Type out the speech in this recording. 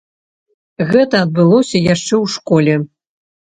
Гэта адбылося яшчэ ў школе.